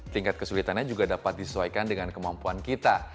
tingkat kesulitannya juga dapat disesuaikan dengan kemampuan kita